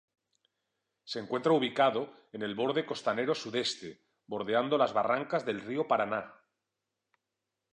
Se encuentra ubicado en el borde costanero sudeste, bordeando las barrancas del río Paraná.